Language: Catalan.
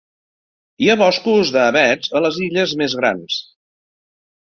Hi ha boscos d'avets a les illes més grans.